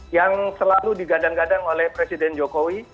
yang selalu digadang gadang oleh presiden jokowi